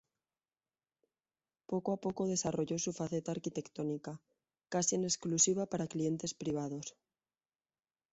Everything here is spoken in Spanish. Poco a poco desarrolló su faceta arquitectónica, casi en exclusiva para clientes privados.